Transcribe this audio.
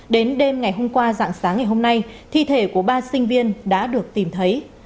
đến đêm ngày hôm qua dạng sáng ngày hôm nay thi thể của ba sinh viên đã được tìm thấy